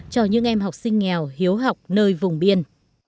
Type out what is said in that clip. cho những em học sinh nghèo hiếu học nơi vùng biên